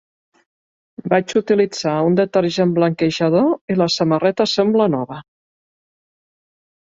Vaig utilitzar un detergent blanquejador i la samarreta sembla nova.